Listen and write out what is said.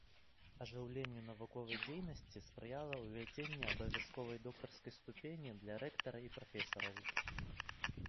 Ажыўленню навуковай дзейнасці спрыяла ўвядзенне абавязковай доктарскай ступені для рэктара і прафесараў.